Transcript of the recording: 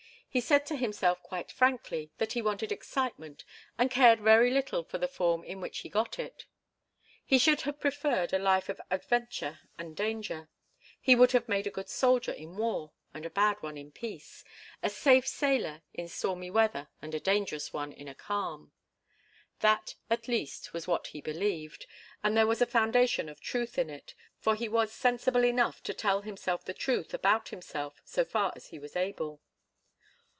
He said to himself quite frankly that he wanted excitement and cared very little for the form in which he got it. He should have preferred a life of adventure and danger. He would have made a good soldier in war and a bad one in peace a safe sailor in stormy weather and a dangerous one in a calm. That, at least, was what he believed, and there was a foundation of truth in it, for he was sensible enough to tell himself the truth about himself so far as he was able.